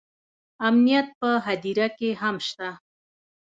امنیت په هدیره کې هم شته